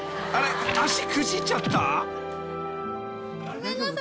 足くじいちゃった？］